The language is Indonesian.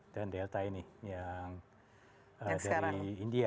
dan delta ini yang dari india